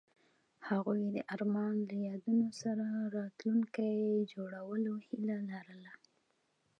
هغوی د آرمان له یادونو سره راتلونکی جوړولو هیله لرله.